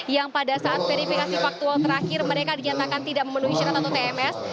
yang pada saat verifikasi faktual terakhir mereka dinyatakan tidak memenuhi syarat atau tms